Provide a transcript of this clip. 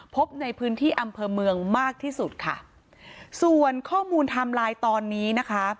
พบในพื้นที่อำเภอเมืองมากที่สุดค่ะส่วนข้อมูลไทม์ไลน์ตอนนี้นะคะ